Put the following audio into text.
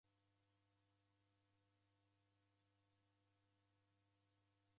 Nazidi kumneka nguma